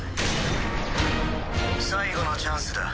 最後のチャンスだ。